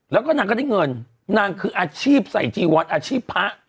แล้วก็นางก็ได้เงินนางคืออาชีพใส่จีวอนอาชีพพระ